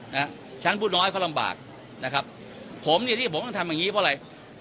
นะฮะชั้นผู้น้อยเขาลำบากนะครับผมเนี่ยที่ผมต้องทำอย่างงี้เพราะอะไร